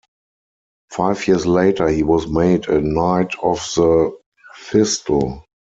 Five years later he was made a Knight of the Thistle.